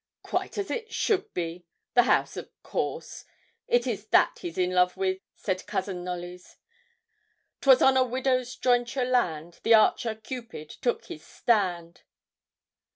'Quite as it should be the house, of course; it is that he's in love with,' said Cousin Knollys. ''Twas on a widow's jointure land, The archer, Cupid, took his stand.'